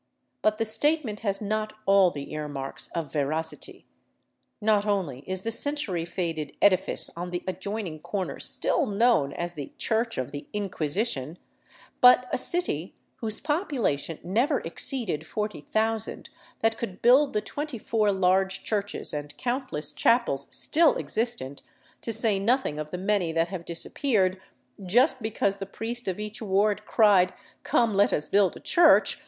But the statement has not all the earmarks of veracity. Not only is th( century faded edifice on the adjoining corner still known as th< " Church of the Inquisition," but a city whose population never ex ceeded 40,cxx) that could build the twenty four large churches an( countless chapels still existent, to say nothing of the many that hav< disappeared, " just because the priest of each ward cried, ' Come, let us build a church